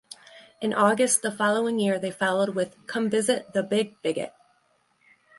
In August the following year they followed with "Come Visit The Big Bigot".